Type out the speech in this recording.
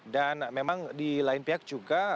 dan memang di lain pihak juga